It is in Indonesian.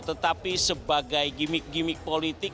tetapi sebagai gimmick gimmick politik